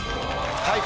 はい！